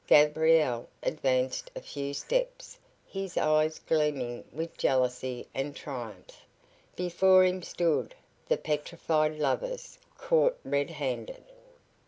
Gabriel advanced a few steps, his eyes gleaming with jealousy and triumph. Before him stood the petrified lovers, caught red handed.